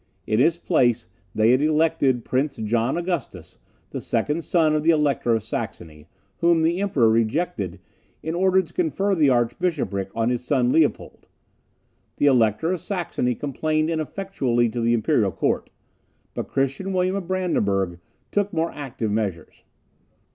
In his place they had elected Prince John Augustus, the second son of the Elector of Saxony, whom the Emperor rejected, in order to confer the archbishopric on his son Leopold. The Elector of Saxony complained ineffectually to the imperial court; but Christian William of Brandenburg took more active measures.